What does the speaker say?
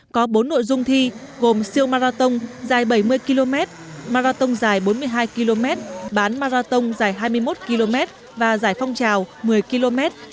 có bốn nội dung thi gồm siêu marathon dài bảy mươi km marathon dài bốn mươi hai km bán marathon dài hai mươi một km và giải phong trào một mươi km